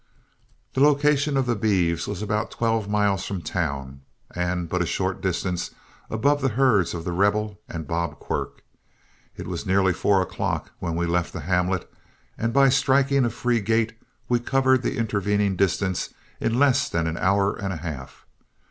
The location of the beeves was about twelve miles from town and but a short distance above the herds of The Rebel and Bob Quirk. It was nearly four o'clock when we left the hamlet, and by striking a free gait, we covered the intervening distance in less than an hour and a half.